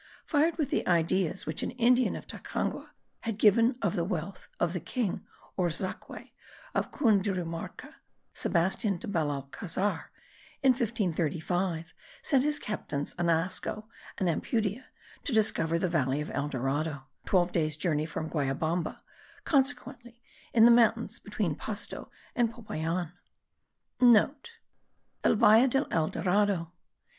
Fired with the ideas which an Indian of Tacunga had given of the wealth of the king or zaque of Cundirumarca, Sebastian de Belalcazar, in 1535, sent his captains Anasco and Ampudia, to discover the valley of El Dorado,* twelve days' journey from Guallabamba, consequently in the mountains between Pasto and Popayan. (* El valle del Dorado.